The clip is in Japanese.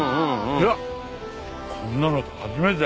いやこんなの初めて！